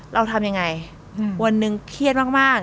เราทำยังไงวันหนึ่งเครียดมาก